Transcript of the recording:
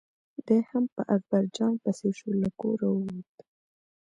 دی هم په اکبر جان پسې شو له کوره ووت.